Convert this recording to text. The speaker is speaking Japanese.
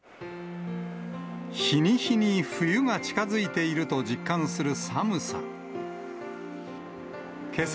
日に日に冬が近づいていると実感する寒さ。